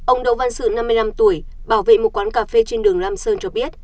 ông đỗ văn sự năm mươi năm tuổi bảo vệ một quán cà phê trên đường lam sơn cho biết